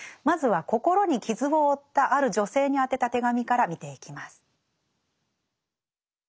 まずは心に傷を負ったある女性に宛てた手紙から見ていきます。